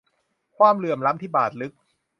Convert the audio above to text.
ความเหลื่อมล้ำที่บาดลึก